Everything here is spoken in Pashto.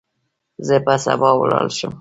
زه به سبا ولاړ شم.